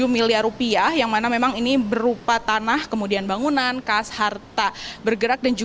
tujuh miliar rupiah yang mana memang ini berupa tanah kemudian bangunan kas harta bergerak dan juga